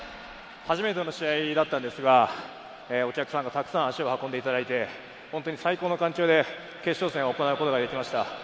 初めての試合だったんですが、お客さんがたくさん足を運んでいただいて、最高の環境で決勝戦を行うことができました。